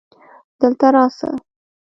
دلته راسه